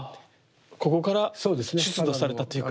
ここから出土されたというか。